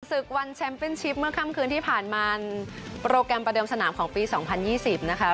ศึกวันแชมป์เป็นชิปเมื่อค่ำคืนที่ผ่านมาโปรแกรมประเดิมสนามของปี๒๐๒๐นะคะ